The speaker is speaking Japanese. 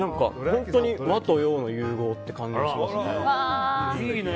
本当に和と洋の融合って感じがします。